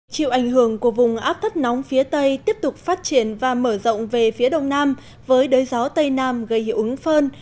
chịu ảnh hưởng của vùng áp thấp nóng phía tây tiếp tục phát triển và mở rộng về phía đông nam với đới gió tây nam gây hiệu ứng phơn